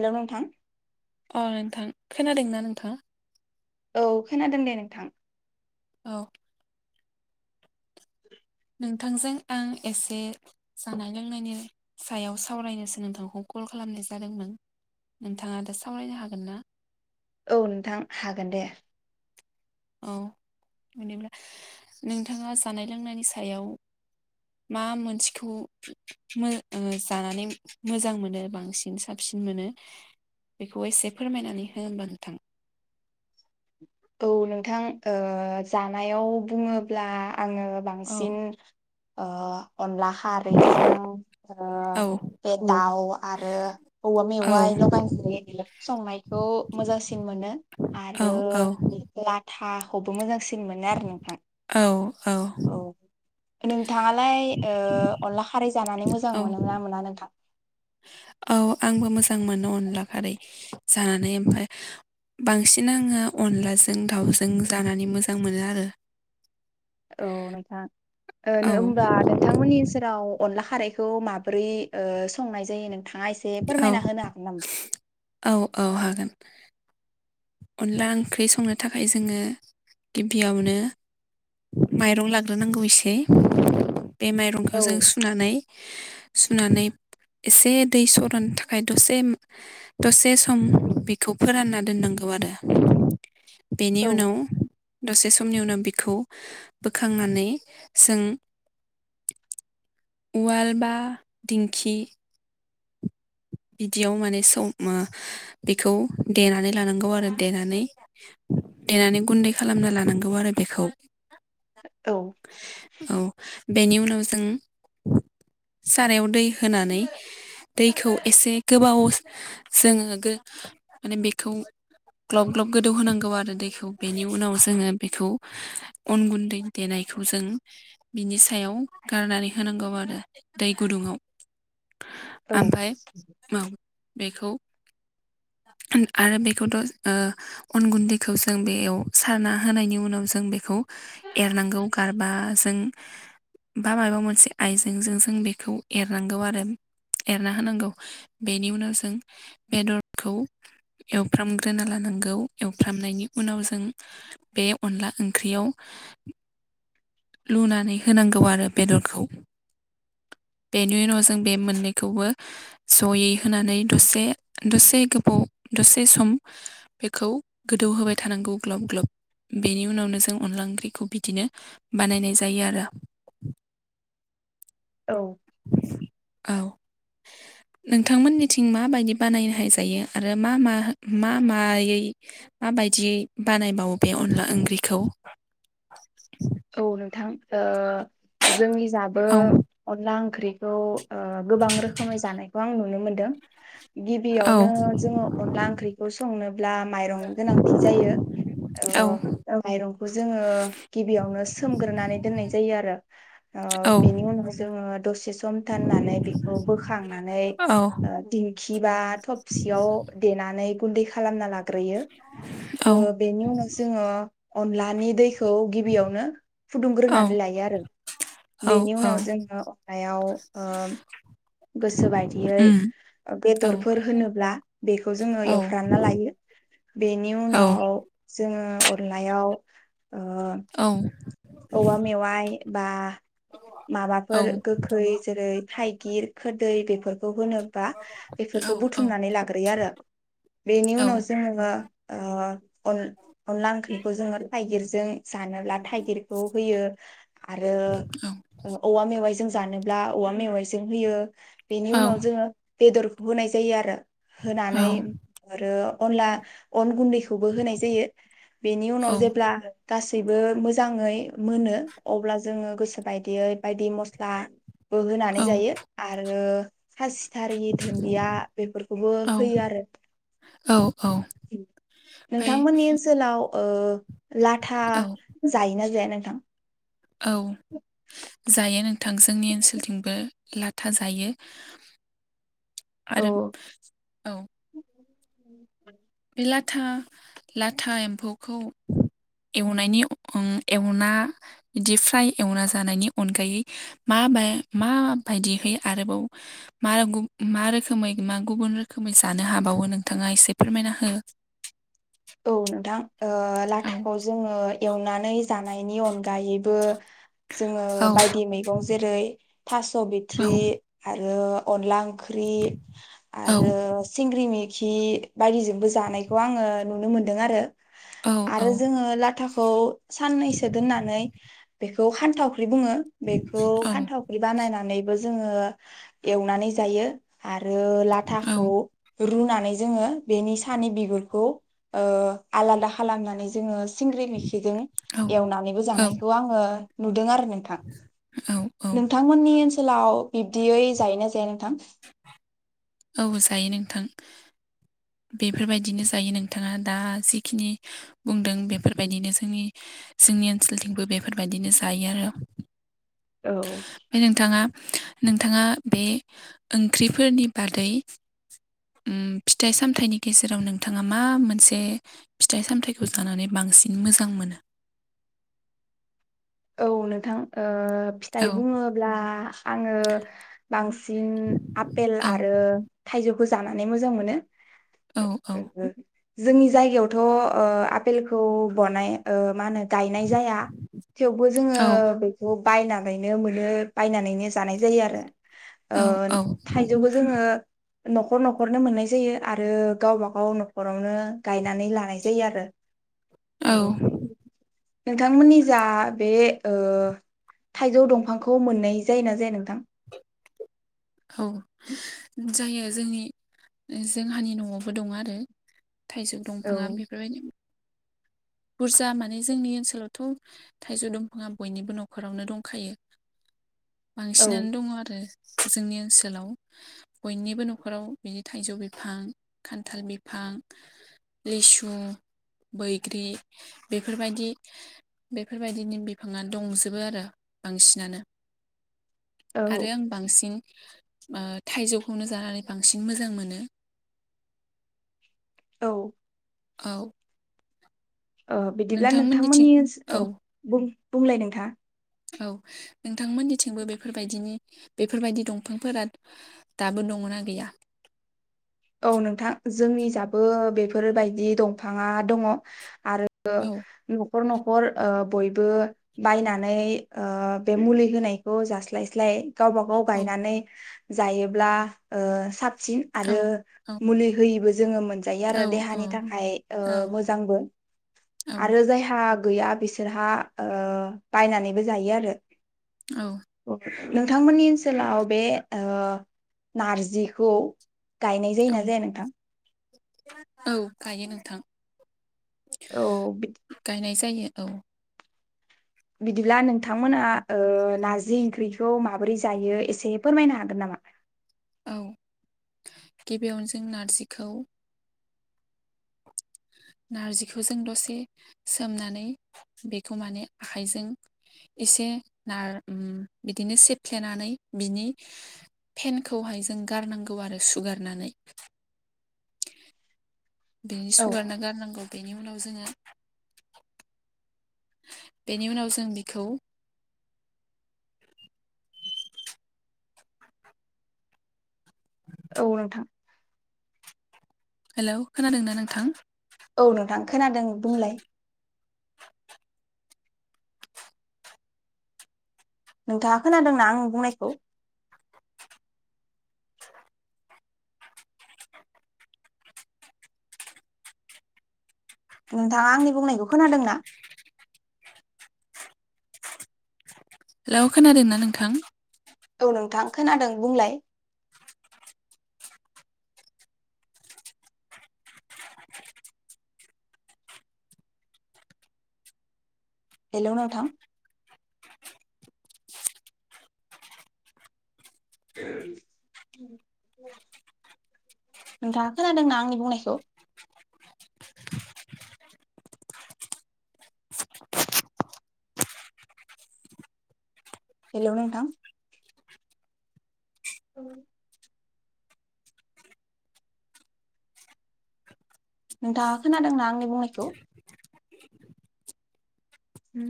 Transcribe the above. Hello नोंथां अ नोंथां खोनादोंना नोंथाङा? औ खोनादों दे नोंथां? औ [inaudible] नोंथांजों आं एसे जानाय लोंनायनि सायाव सावरायनोसो नोंथांखौ कल खालामनाय जादोंमोन नोंथाङा दा सावरायनो हागोन ना? औ नोंथां हागोन दे औ बिदिब्ला नोंथाङा जानाय लोंनायनि सायाव मा मोनसेखौ ओ जानानै मोजां मोनो बांसिन साबसिन मोनो बेखौ एसे फोरमायनानै हो होमबा नोंथां। औ नोंथां ओ जानायाव बुङोब्ला आङो बांसिन औ ओ अनला खारैजों ओ औ बे दाउ आरो औवा औ मेवाइ लगाय [unintelligible] संनायखौ मोजांसिन मोनो आरो औ औ लाथाखौबो मोजांसिन सिन मोनो आरो नोंथां औ नोंथाङालाय ओ अनला खारै जानानै मोजां औ मोनोना मोना नोंथां औ आंबो मोजां मोनो अनला खारै जानानै ओमफाय बांसिन आङो अनलाजों दाउजों जानानै मोजां मोनो आरो। औ नोंथां औ होमबा नोंथांमोननि सेराव अनला रैखौ माब्रै ओ संनाय जायो नों औ औ औ हागोन। अनला ओंख्रि संनो थाखाय जों जोङो गिबियावनो माइरं लाग्रोनांगौ एसे बे माइरंखौ औ जों सुनानै सुनानै एसे दै सरनो थाखाय दसे सम बेखौ फोरानना दोननांगौ। गौ आरो बेनि औ उनाव दसे समनि उनाव बिखौ बोखांनानै जों उवाल बा दिंखि बिदियाव माने सम बेखौ देनानै लानांगौ आरो देनानै। देनानै गुन्दै खालामना लानांगोन आरो बेखौ औ औ बेनि उनाव जों सारायाव दै होनानै दै खौ एसे गोबावाव जोङो माने बेखौ ग्लब ग्लब गोदौ होनांगौ आरो दैखौ बेनि उनाव जोङो बेखौ अन गुन्दै देनायखौ जों बिनि सायाव गारनानै होनांगौ आरो दै गुदुङाव औ ओमफ्राय माव बेखौ आरो बेखौथ' ओ अन गुन्दैखौ जों बेयाव सारना होनायनि उनाव जों बेखौ एरनांगौ गारबाजों बा मायाबा मोनसे आइजेंजों जों बेखौ एरनांगौ आरो‌। एरना होनांगौ बेनि उनाव जों बेदरखौ एवफ्रामग्रोना लानांगौ एवफ्रामनायनि उनाव जों बे अनला ओंख्रियाव लुनानै होनांगौ आरो बेदरखौ बेनि उनाव जों बे मोननैखौबो जयै होनानै दसे दसे गोबाव दसे सम बेखौ गोदौ होबाय थानांगौ ग्लब ग्लब बेनि उनावनो जों अनला ओंख्रिखौ बिदिनो बानायनाय जायो आरो। औ औ नोंथांमोननिथिं माबायदि बानायनो हाय जायो आरो मा मा मा मायै माबायदियै बानायबावो बे अनला ओंख्रिखौ? औ नोंथां ओ जोंनि जाबो औ अनला ओंख्रिखौ ओ गोबां रोखोमै जानायखौ आं नुनो मोनो । दों औ गिबियावनो जोङो अनला ओंख्रिखौ संनोब्ला माइरं गोनांथि जायो ओ औ माइरंखौ जोङो बेयावनो सोमग्रोनानै दोननाय जायो आरो । [inaudible] ओ औ बेनि उनाव जोङो दसे सम थोननानै बेखौ बोखांनानै औ ओ दिंखि बा थबसियाव देनानै गुन्दै खालामना लागोन औ लाग्रोयो बेनि ओ उनाव जोङो अनलानि दैखौ गिब गिबियावनो फुदुंग्रोनानै लायो आरो औ बेनि औ उनाव जोङो नायाव ओ गोसोबाय बिदियै उम ओ औ बेदरफोर होनोब्ला बेखौ जोङो औ एवफ्रानना लायो बेनि औ उनाव जोङो अरनायाव ओ औ औवा मेवाय बा औ माबाफोर गोखै जेरै थाइ गिर खो दैै बेफोरखौ खौ होनोबा बेफोरखौ औ बुथुमनानै लाग्रोयो आरो बेनि उनाव जोङो ओ अन अनला ओंख्रिखौ जोङो थाइगिरजों जानोब्ला थाइगिर खौ होयो आरो ओमफ्राय औ-औवा मेवाय जों जानोब्ला औवा मेवाइजों होयो बेनि उनाव जोङो बेदरखौ होनाय जायो आरो होनानै आरो अनला अन गुन्दैखौबो होनाय जायो । बेनि उनाव जेब्ला गास गैबो मोजाङै मोनो अब्ला जोङो गोसो बायदियै बायदि मस्ला बो होनानै जायो आरो खासिथारि धोनदिया बेफोरखौबो होयो आरो औ नोंथांमोननि ओनसोलाव ओ लाथा औ जायोना जाया नोंथां औ जायो नोंथां जोंनि ओनसोलथिंबो लाथा जायो औ आरो औ [inaudible] बे लाथा लाथा एम्फौखौ एवनायनि आंखौ एवना बिदि फ्राय एवना जानायनि अनगायै मा माबायदिहै आरोबाव मा रोखोमै मा गुबुन रोखोमै जानो हाबावो नोंथाङा एसे फोरमायनो हा [unintelligible] औ नोंथां ओ औ लाथाखौ जोङो एवनानै जानायनि अनगायैबो जोङो औ बायदि मैगं जेरै थास' औ बिथ्रि आरो अनला ओं ख्रि औ आरो सिंग्रि मि खि बायदिजोंबो जानायखौ आङो नुनो मोन्दों आरो औ आरो जोङो लाथाखौ साननैसो दोननानै बे बेखौ खान्थाव बुङो बेखौ औ खान्थावख्रि बानायनानै जोङो एवनानै जायो आरो आरो औ लाथाखौ रुनानै जोङो बेनि सानि बिगुरखौ ओ आलादा खालामनानै जोङो सिंग्रि मैखिजों एवनानैबो औ जानायखौ आङो नुदों आरो न औ नोंथांमोननि ओनोसो लाव बिब्दियै जायो ना जाया नोंथां औ जायो नोंथां बेफोरबायदिनो जायो नोंथाङा दा जिखिनि बुंदों बेफोरबायदिनो जोंनि जोंनि ओनसोलथिंबो बेफोरबायदिनो जायो आरो औ ओमफ्राय नोंथाङा नोंथाङा बे ओंख्रिफोरनि बादै उम फिथाइ सामथाइनि गेजेराव नोंथाङा मा मोनसे फिथाइ सामथाइखौ जानानै बांसिन मोजां मोनो औ नोंथां फिथाइ औ बुङोब्ला आङो बांसिन आपेल औ आरो थाइजौ खौ जानानै मोजां मोनो औ [unintelligible] जोंनि जायगायावथ' ओ आपेलखौ बनाय मा होनो गायनाय जाया थेवबो जोङो औ बेखौ बायनानैनो मोनो बायनानैनो जानाय जायो आरो ओ औ थाइजौबो जोङो न'खर न'खरनो मोननाय जायो आरो गावबा गाव न'खरावनो गायनानै लानाय जायो आरो औ ओ नोंथांमोननि जा बे ओ थाइजौ दंफांखौ मोननाय जायोना जाया नोंथां औ जायो जोंनि जोंहानि न'आवबो दङ आरो थाइजौ औ दंफाङा बेफोरबायदि बुरजा माने जोंनि ओनसोलावथ' थाइजौ दंफाङा बयनिबो न'खरावनो दंखायो औ बांसिनानो दङ आरो [inaudible] जोंनि ओनसोलाव बयनिबो न'खराव बिदि थाइजौ बिफां खान्थाल बिफां लिसु बैग्रि बेफोरबायदि बेफोरबायदिनि बिफाङा दंजोबो आरो बांसिनानो औ आरो आं बांसिन ओ थाइजौखौनो जानानै बांसिन मोजां मोनो औ औ ओ बिदिब्ला नोंथांमोननिथिं नोंथांमोननि औ ओनसोलाव बुं बुंलाय नोंथां औ नोंथांमोननिथिंबो बेफोरबायदिनि बेफोरबायदि दंफांफोरा दाबो दङोना गैया औ नोंथां जोंनि जाबो बेफोरबायदि दंफाङा दङ आरो ओ औ न'खर न'खर ओ बयबो बायनानै बे मुलि होनायखौ जास्लायस्लाय गावबा गाव औ गायनानै जायोब्ला ओ साबसिन औ आरो औ मुलि होयिबो जोङो मोनजायो औ आरो देहानि थाखाय ओ औ मोजांबो औ आरो जायहा हा गैया बिसोरहा ओ बायनानैबो जायो आरो औ नोंथांमोननि ओनसोलाव बे ओ नारजिखौ गायनाय औ जायोना जाया नोंथां औ गायो नोंथां औ बि नायजायो औ बिदिब्ला नोंथांमोना ओ नारजि ओंख्रिखौ मा बोरै जायो एसे फोरमायनो हागोन नामा औ गिबियावनो जों नारजिखौ नारजिखौ जों दसे सोमनानै बेखौ माने आखाइजों एसे नार ओम बिदिनो सेफ्लेनानै बिनि फेनखौहाय जों गारनांगौ आरो सुगारनानै बिनि औ सुगारना गारनांगौ बेनि उनाव जोङो बेनि उनाव जों बिखौ औनोंथां हेलौ खोनादोंना नोंथां औ नोंथां खोनादों बुंलाय नोंथाङा खोनादोंना आं बुंनायखौ नोंथाङा आंनि बुंनायखौ खोनादोंना हेलौ खोनादोंना नोंथां औ नोंथां खोनादों बुंलाय हेलौ नोंथां नोंथाङा खोनादोंना आंनि बुंनायखौ हेलौ नोंथां औ नोंथाङा खोनादोंना आंनि बुंनायखौ ओम